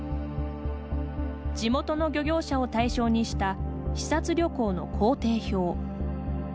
地元の漁業者を対象にした視察旅行の行程表。